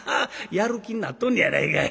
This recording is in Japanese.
やる気になっとんねやないかい。